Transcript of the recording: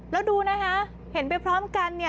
แล้วดูนะคะเห็นไปพร้อมกันเนี่ย